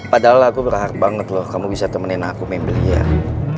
padahal aku berharap banget loh kamu bisa temenin aku main belian